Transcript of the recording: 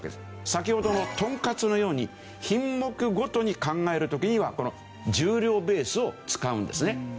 先ほどのとんかつのように品目ごとに考える時にはこの重量ベースを使うんですね。